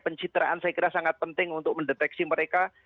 pencitraan saya kira sangat penting untuk mendeteksi mereka